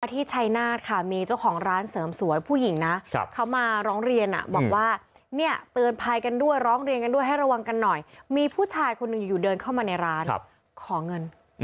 ที่ชัยนาธค่ะมีเจ้าของร้านเสริมสวยผู้หญิงนะเขามาร้องเรียนบอกว่าเนี่ยเตือนภัยกันด้วยร้องเรียนกันด้วยให้ระวังกันหน่อยมีผู้ชายคนหนึ่งอยู่เดินเข้ามาในร้านขอเงิน